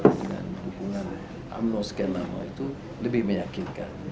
dengan dukungan umno sekian lama itu lebih meyakinkan